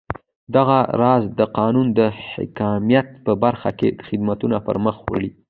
دغه راز د قانون د حاکمیت په برخو کې خدمتونه پرمخ وړي.